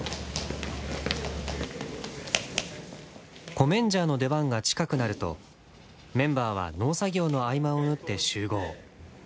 コメンジャーの出番が近くなるとメンバーは農作業の合間を縫って集合。